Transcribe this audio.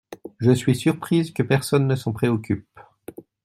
Je suis surprise que personne ne s’en préoccupe.